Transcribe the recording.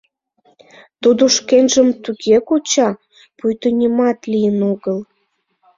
Тудо шкенжым туге куча, пуйто нимат лийын огыл.